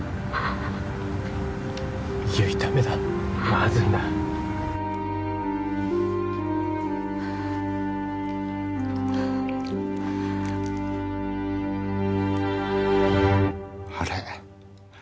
悠依ダメだまずいなあれ？